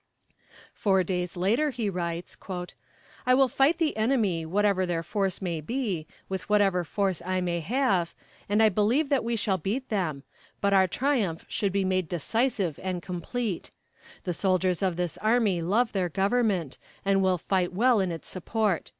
Four days later he writes: "I will fight the enemy, whatever their force may be, with whatever force I may have, and I believe that we shall beat them; but our triumph should be made decisive and complete. The soldiers of this army love their Government, and will fight well in its support.